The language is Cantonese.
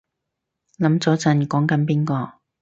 諗咗陣講緊邊個